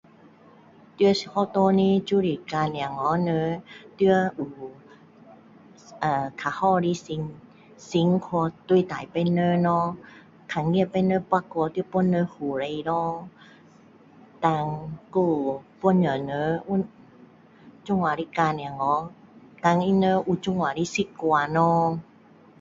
在学校的就是教小孩们要有有较好的心去帮别人咯看见别人跌倒帮人扶起来咯胆还帮助人这样的较小孩教他们有这样的习惯咯